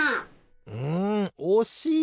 うんおしい！